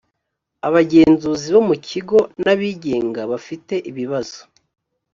abagenzuzi bo mu kigo n abigenga bafite ibibazo